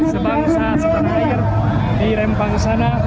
sebangsa setanah air di rempang sana